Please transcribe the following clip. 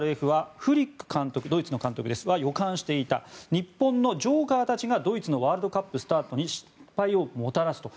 ＳＲＦはドイツのフリック監督は予感していた日本のジョーカーたちがドイツのワールドカップスタートに失敗をもたらすと。